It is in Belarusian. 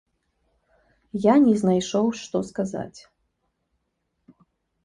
Я не знайшоў, што сказаць.